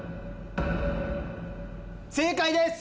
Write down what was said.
正解です！